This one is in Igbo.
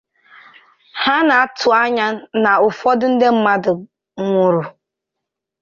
a na-atụ anya na ụfọdụ ndị mmadụ nwụrụ